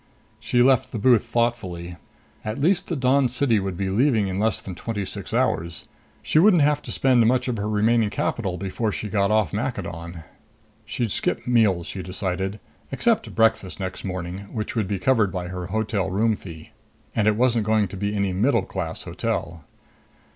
She left the booth thoughtfully. At least the Dawn City would be leaving in less than twenty six hours. She wouldn't have to spend much of her remaining capital before she got off Maccadon. She'd skip meals, she decided. Except breakfast next morning, which would be covered by her hotel room fee. And it wasn't going to be any middle class hotel.